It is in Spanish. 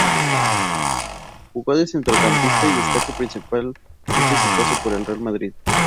Jugó de centrocampista, destacando principalmente su paso por el Real Madrid.